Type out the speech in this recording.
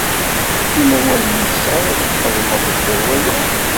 Yella wayen i tesεiḍ ad t-txedmeḍ deffir waya?